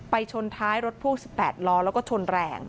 ชนท้ายรถพ่วง๑๘ล้อแล้วก็ชนแรง